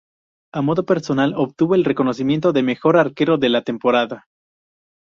A modo personal obtuvo el reconocimiento de mejor arquero de la temporada.